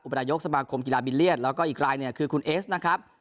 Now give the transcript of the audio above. นายกสมาคมกีฬาบิลเลียนแล้วก็อีกรายเนี่ยคือคุณเอสนะครับ